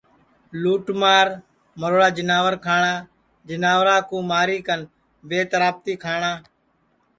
لُوٹ مار مروڑا جیناور کھاٹؔا جیناورا کُو ماری کن بے ترابتی کھاٹؔا